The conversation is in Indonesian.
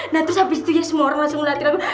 nah terus abis itu ya semua orang langsung ngeliatin aku